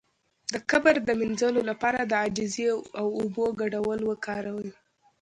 د کبر د مینځلو لپاره د عاجزۍ او اوبو ګډول وکاروئ